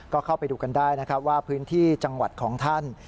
ก็เข้าไปดูกันได้นะครับว่าพื้นที่จังหวัดของท่าน